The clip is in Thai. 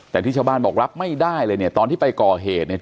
แต่ที่ชาวบ้านบอกรับไม่ได้เลยเนี่ยตอนที่ไปก่อเหตุเนี่ย